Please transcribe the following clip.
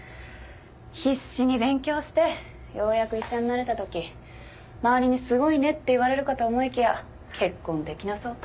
必死に勉強してようやく医者になれたとき周りに「すごいね」って言われるかと思いきや「結婚できなそう」